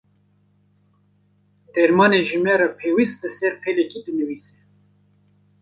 Dermanê ji me re pêwîst li ser pelekê dinivîse.